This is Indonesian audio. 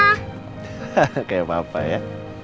hahaha kayak papa ya